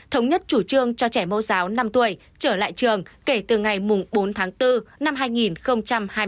thống nhất chủ trương cho trẻ mẫu giáo năm tuổi trở lại trường kể từ ngày bốn tháng bốn năm hai nghìn hai mươi